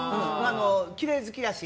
きれい好きやし。